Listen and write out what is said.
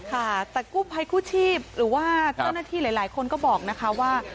ค่ะแต่กู้ภัยกู้ชีพหรือว่าเจ้าหน้าที่หลายคนก็บอกนะคะว่า